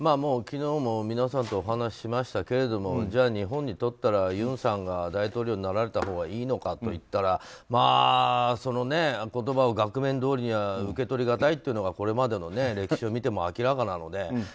昨日も皆さんとお話しましたけどじゃあ、日本にとったらユンさんが大統領になられたほうがいいのかといったらまあ、言葉を額面どおりには受け取りがたいというのがこれまでの歴史を見ても明らかなので。